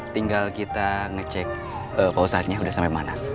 tinggal kita ngecek pausatnya sudah sampai mana